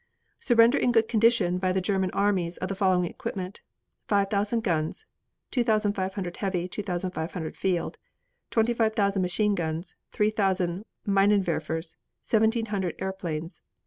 Surrender in good condition by the German armies of the following equipment: Five thousand guns (two thousand five hundred heavy, two thousand five hundred field), twenty five thousand machine guns, three thousand minenwerfers, seventeen hundred airplanes.